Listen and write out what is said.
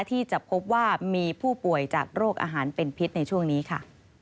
ที่จะพบว่ามีผู้ป่วยจากโรคอาหารเป็นพิษในช่วงนี้ค่ะ